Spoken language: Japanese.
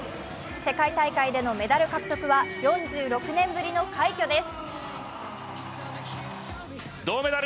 世界大会でのメダル獲得は４６年ぶりの快挙です。